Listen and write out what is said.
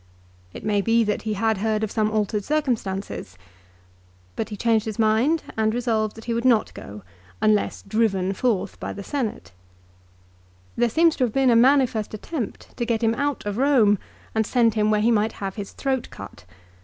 It may be that he had heard of some altered circumstances. But he changed his mind and resolved that he would not go, unless driven forth by the Senate. There seems to have been a manifest attempt to get him out of Rome and send him where he might have his throat cut. But he declined ; 1 Appian, lib. iii.